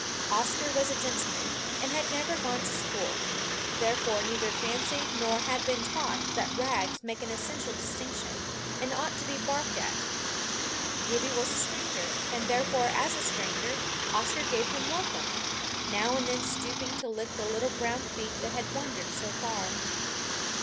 Oscar was a gentleman, and had never gone to school, therefore neither fancied nor had been taught that rags make an essential distinction, and ought to be barked at. Gibbie was a stranger, and therefore as a stranger Oscar gave him welcome now and then stooping to lick the little brown feet that had wandered so far.